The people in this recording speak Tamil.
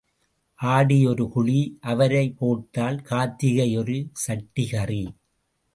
ஆடி ஒரு குழி அவரை போட்டால் கார்த்திகை ஒரு சட்டி கறி.